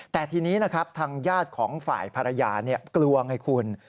แต่ทีนี้นะครับทางญาติของฝ่ายภรรยากลัวไงคุณ